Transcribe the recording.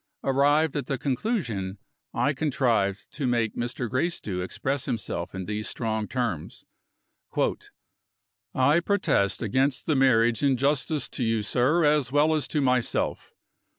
Arrived at the conclusion, I contrived to make Mr. Gracedieu express himself in these strong terms: "I protest against the marriage in justice to you, sir, as well as to myself.